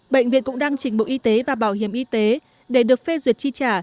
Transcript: bệnh viện cũng đang trình bộ y tế và bảo hiểm y tế để được phê duyệt chi trả